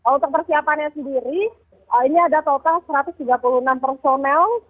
untuk persiapannya sendiri ini ada total satu ratus tiga puluh enam personel